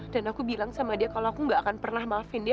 dan aku bilang sama dia kalau aku nggak akan pernah maafin dia